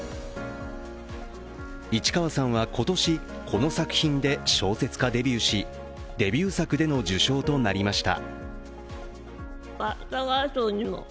市川さんは今年、この作品で小説家デビューし、デビュー作での受賞となりました。